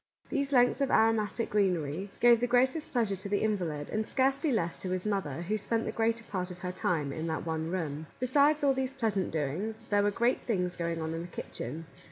These lengths of aromatic greenery gave the greatest pleasure to the invalid, and scarcely less to his mother, who spent the greater part of her time in that one room. Besides all these pleasant doings, there were great things going on in the kitchen.